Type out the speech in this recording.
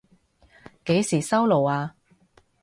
幾時收爐啊？